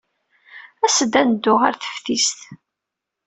As-d ad neddu ɣer teftist.